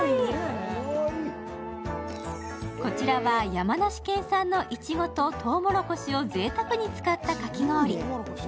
こちらは山梨県産のいちごととうもろこしをぜいたくに使ったかき氷。